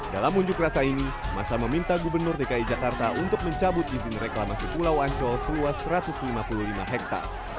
dalam unjuk rasa ini masa meminta gubernur dki jakarta untuk mencabut izin reklamasi pulau ancol seluas satu ratus lima puluh lima hektare